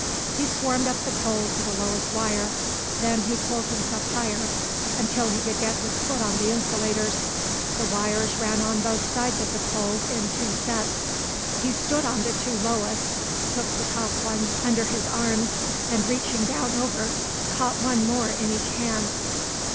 He swarmed up the pole to the lowest wire; then he pulled himself higher until he could get his foot on the insulators. The wires ran on both sides of the pole in two sets. He stood on the two lowest, took the top ones under his arms, and, reaching down over, caught one more in each hand.